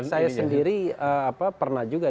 saya sendiri pernah juga